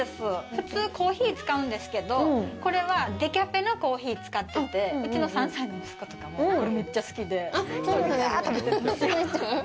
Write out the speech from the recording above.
普通、コーヒー使うんですけどこれはデカフェのコーヒー使っててうちの３歳の息子とかもこれ、めっちゃ好きで一人で、がーっ食べてるんですよ。